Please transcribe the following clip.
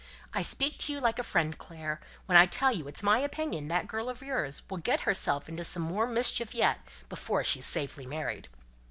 I speak to you like a friend, Clare, when I tell you it's my opinion that girl of yours will get herself into some more mischief yet before she's safely married.